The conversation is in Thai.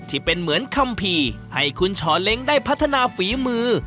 ที่เป็นเหมือนคัมภีร์ให้คุณชอเล้งได้พัฒนาฝีมือ